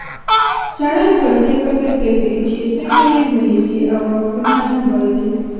سړی پر دې فکر کوي چې څنګه یې ونیسي او غاښونه نه بایلي.